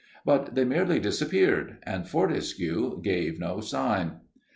But they merely disappeared, and Fortescue gave no sign.